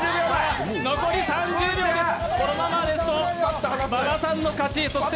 残り３０秒です、このままですと馬場さんの勝ち。